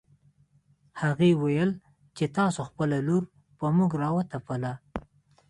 هغې ويل چې تاسو خپله لور په موږ راوتپله